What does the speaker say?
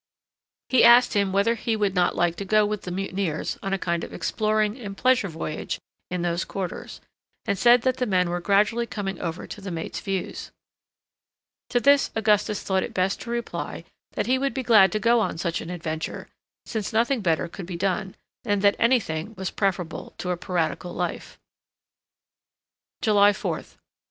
He asked him whether he would not like to go with the mutineers on a kind of exploring and pleasure voyage in those quarters, and said that the men were gradually coming over to the mate's views. To this Augustus thought it best to reply that he would be glad to go on such an adventure, since nothing better could be done, and that any thing was preferable to a piratical life. July 4th.